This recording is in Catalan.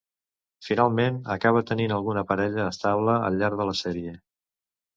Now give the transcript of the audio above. Finalment, acaba tenint alguna parella estable al llarg de la sèrie.